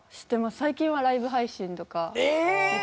最近はライブ配信とか見たり。